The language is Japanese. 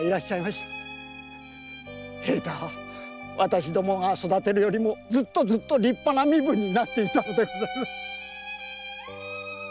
平太は私どもが育てるよりずっと立派な身分になっていたのです。